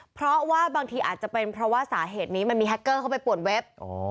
เพราะว่าบางทีอาจจะเป็นเพราะว่าสาเหตุนี้มันมีแฮคเกอร์เข้าไปป่วนเว็บ